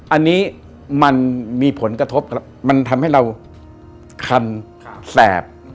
อันนี้มันมีผลกระทบมันทำให้เราคันแสบ